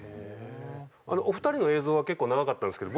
あのお二人の映像は結構長かったんですけど